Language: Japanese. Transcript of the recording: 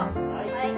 はい。